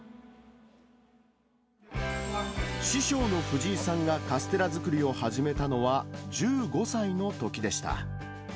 師匠の藤井さんがカステラ作りを始めたのは１５歳のときでした。